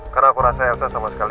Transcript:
karena aku rasa elsa sama sekali